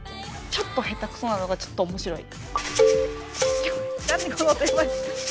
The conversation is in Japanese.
ちょっと下手くそなのがちょっと面白い。